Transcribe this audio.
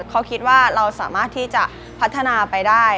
เขาคิดว่าเราสามารถที่จะพัฒนาไปได้